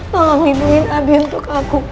tolong ibuin abi untuk aku